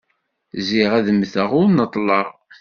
Ziɣ ad mteɣ ur neṭleɣ.